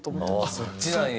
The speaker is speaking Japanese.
ああそっちなんや。